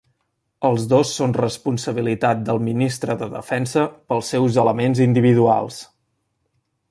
Els dos són responsabilitat del Ministre de Defensa pels seus elements individuals.